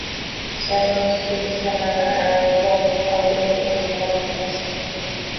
Severo's pleas to her are rebuffed, albeit with some reluctance.